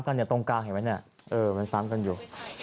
ตรงกลางเห็นไหมเนี่ยมันซ้ำกันอยู่